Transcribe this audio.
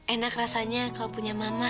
enak rasanya kalau punya mama